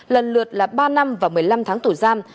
lần lượt là ba năm và một mươi năm tháng tù giam